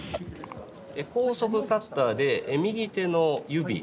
高速カッターで右手の指